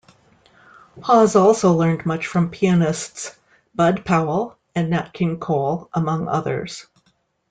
Hawes also learned much from pianists Bud Powell and Nat King Cole, among others.